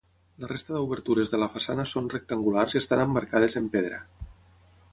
La resta d'obertures de la façana són rectangulars i estan emmarcades en pedra.